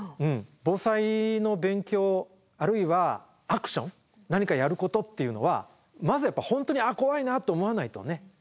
防災の勉強あるいはアクション何かやることっていうのはまずやっぱ本当に「あっ怖いな」と思わないとね。